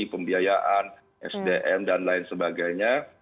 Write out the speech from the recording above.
pembiayaan sdm dan lain sebagainya